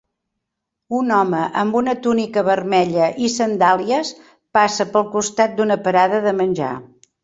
Un home amb una túnica vermella i sandàlies passa pel costat d'una parada de menjar.